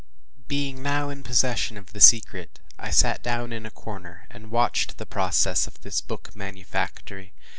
Being now in possession of the secret, I sat down in a corner, and watched the process of this book manufactory.